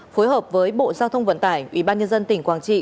phối hợp với bộ giao thông vận tải ủy ban nhân dân tỉnh quảng trị